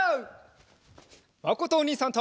まことおにいさんと。